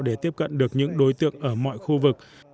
để tiếp cận được những đối tượng ở mọi khu vực